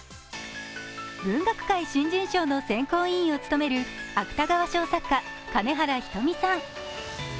「文學界」新人賞の選考委員を務める芥川賞作家・金原ひとみさん。